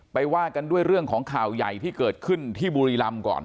ว่ากันด้วยเรื่องของข่าวใหญ่ที่เกิดขึ้นที่บุรีรำก่อน